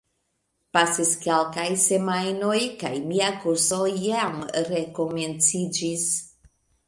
Pasis kelkaj semajnoj kaj mia kurso jam rekomenciĝis.